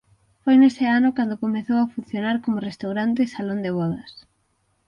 Foi nese ano cando comezou a funcionar como restaurante e salón de vodas.